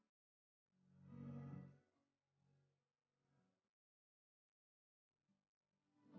gena kok nggak ada pasangan di ihg juga